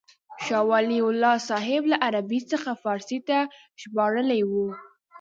شاه ولي الله صاحب له عربي څخه فارسي ته ژباړلې وه.